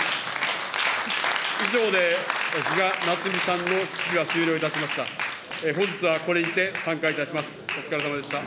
以上で比嘉奈津美さんの質疑が終了いたしました。